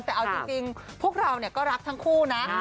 แต่เอาจริงพวกเราก็รักทั้งคู่นะ